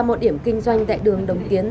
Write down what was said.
một điểm kinh doanh tại đường đồng kiến